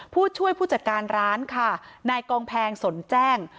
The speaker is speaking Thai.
ผู้ช่วยผู้จัดการร้านค่ะนายกองแพงสนแจ้ง